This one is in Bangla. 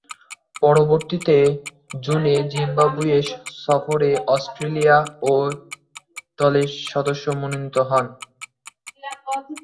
পরবর্তীতে জুনে জিম্বাবুয়ে সফরে অস্ট্রেলিয়া এ দলের সদস্য মনোনীত হন।